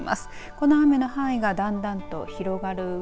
この雨の範囲がだんだんと広がるうえ